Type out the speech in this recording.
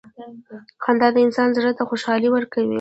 • خندا د انسان زړۀ ته خوشحالي ورکوي.